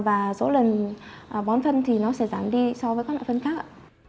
và số lần bón phân thì nó sẽ giảm đi so với các loại phân khác ạ